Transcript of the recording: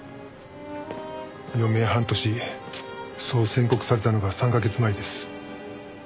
余命半年そう宣告されたのが３カ月前です。